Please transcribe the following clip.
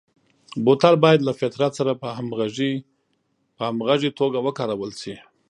بوتل باید له فطرت سره په همغږي توګه وکارول شي.